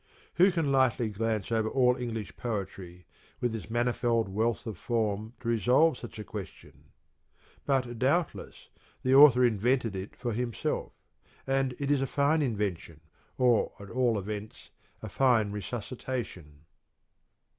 Who can lightly glance over all English Poetry with its manifold wealth of form to resolve such a question? But doubtless the author invented it for himself, and it is a fine invention, or, at all events, a fine resuscitation.